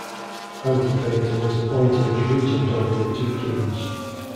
Antipater was appointed as regent over the two kings.